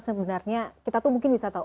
sebenarnya kita tuh mungkin bisa tahu